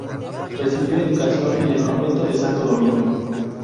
Recibió educación en el Convento de Santo Domingo.